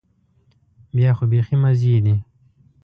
بیا خو بيخي مزې دي.